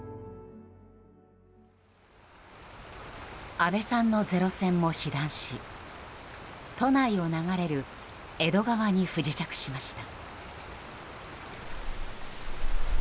阿部さんの零戦も被弾し都内を流れる江戸川に不時着しました。